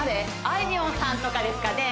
あいみょんさんとかですかね